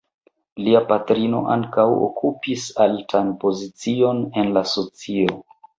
Lia patrino ankaŭ okupis altan pozicion en la socio.